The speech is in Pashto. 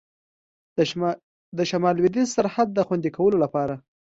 د شمال لوېدیځ سرحد د خوندي کولو لپاره.